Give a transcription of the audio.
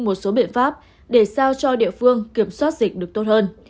một số biện pháp để sao cho địa phương kiểm soát dịch được tốt hơn